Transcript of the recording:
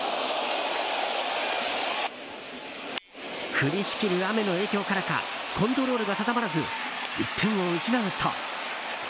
降りしきる雨の影響からかコントロールが定まらず１点を失うと。